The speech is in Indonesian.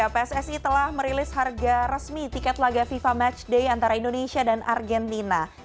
pssi telah merilis harga resmi tiket laga fifa matchday antara indonesia dan argentina